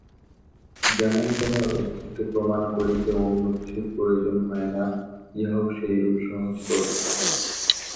যেমন তোমার অস্তিত্ব প্রমাণ করিতে অন্য কিছুর প্রয়োজন হয় না, ইহাও সেইরূপ সহজবোধ্য।